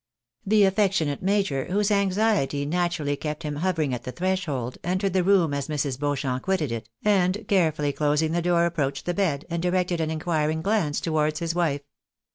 The affectionate major, whose anxiety naturally kept him hover ing at the threshold, entered the room as Mrs. Beauchamp quitted it, and carefully closing the door approached the bed, and directed an inquiring glance towards his wife.